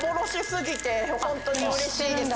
ホントにうれしいです。